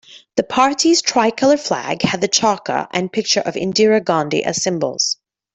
The party's tricolour flag had the charkha and picture of Indira Gandhi as symbols.